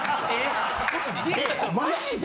・マジで？